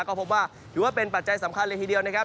ก็พบว่าถือว่าเป็นปัจจัยสำคัญเลยทีเดียวนะครับ